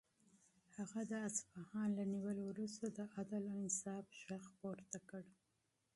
هغه د اصفهان له نیولو وروسته د عدل او انصاف غږ پورته کړ.